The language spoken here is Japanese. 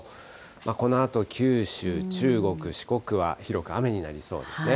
このあと九州、中国、四国は広く雨になりそうですね。